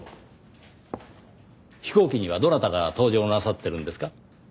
飛行機にはどなたが搭乗なさってるんですか？